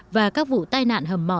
và các vụ tai nạn hầm mỏ